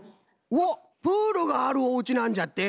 うおっプールがあるおうちなんじゃって！